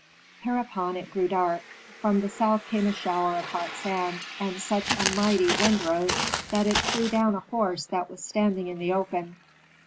Hereupon it grew dark; from the south came a shower of hot sand, and such a mighty wind rose that it threw down a horse that was standing in the open.